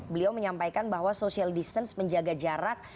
beliau menyampaikan bahwa social distance menjaga jarak